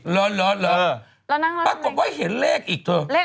รอบนี้